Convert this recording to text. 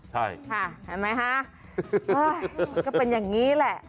ก็เป็นอย่างนี้แหละ